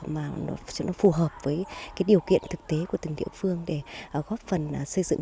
mà nó phù hợp với cái điều kiện thực tế của từng địa phương để góp phần xây dựng